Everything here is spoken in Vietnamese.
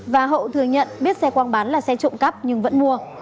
và hậu thừa nhận biết xe quang bán là xe trộm cắp nhưng vẫn mua